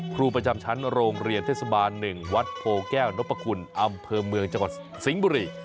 ครูประจำชั้นโรงเรียนเทศบาล๑วัดโพแก้วนพคุณอำเภอเมืองจังหวัดสิงห์บุรี